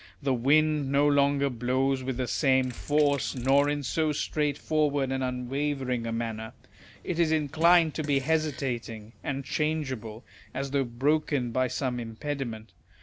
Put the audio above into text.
The wind no longer blows with the same force, nor in so straightforward and unwavering a manner ; it is inclined to be hesitating and changeable, as though broken by some impediment.